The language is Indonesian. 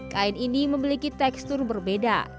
kain ini memiliki tekstur berbeda